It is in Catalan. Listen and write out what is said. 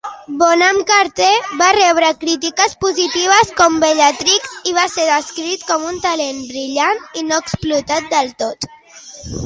Bonham Carter va rebre crítiques positives com Bellatrix i va ser descrit com "un talent brillant i no explotat del tot".